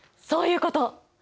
そういうこと！